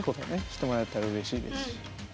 知ってもらえたらうれしいですし。